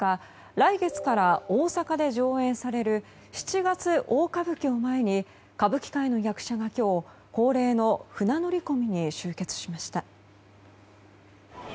来月から大阪で上演される「七月大歌舞伎」を前に歌舞伎界の役者が今日、恒例の船乗り込みに集結しました。